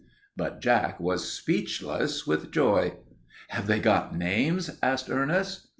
But Jack was speechless with joy. "Have they got names?" asked Ernest.